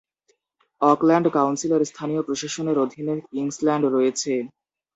Auckland কাউন্সিলের স্থানীয় প্রশাসনের অধীনে কিংসল্যান্ড রয়েছে।